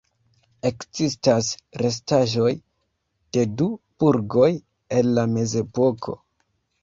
Ekzistas restaĵoj de du burgoj el la mezepoko.